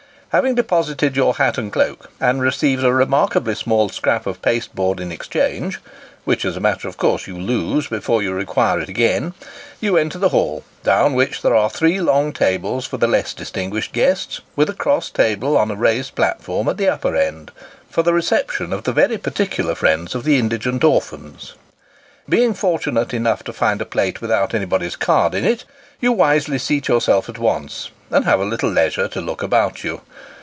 Having deposited your hat and cloak, and received a remarkably small scrap of pasteboard in exchange (which, as a matter of course, you lose, before you require it again), you enter the hall, down which there are three long tables for the less distinguished guests, with a cross table on a raised platform at the upper end for the reception of the very particular friends of the indigent orphans. Being fortunate enough to find a plate without anybody's card in it, you wisely seat yourself at once, and have a little leisure to look about you.